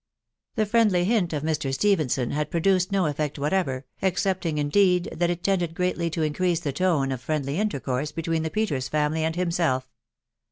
The friendly hint of Mr. Stephenson had produced no effect whatever, excepting indeed that it tended greatly to increase the tone of friendly intercourse between the Peters family and himself.